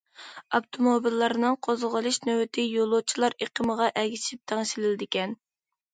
ئاپتوموبىللارنىڭ قوزغىلىش نۆۋىتى يولۇچىلار ئېقىمىغا ئەگىشىپ تەڭشىلىدىكەن.